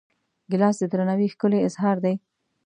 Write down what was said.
ګیلاس د درناوي ښکلی اظهار دی.